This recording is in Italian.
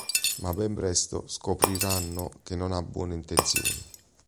Ma ben presto scopriranno che non ha buone intenzioni.